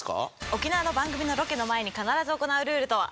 沖縄の番組のロケの前に必ず行うルールとは？